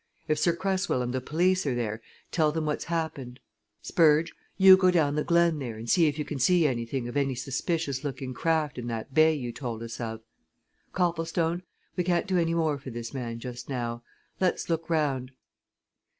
If Sir Cresswell and the police are there, tell them what's happened. Spurge you go down the glen there, and see if you can see anything of any suspicious looking craft in that bay you told us of. Copplestone, we can't do any more for this man just now let's look round.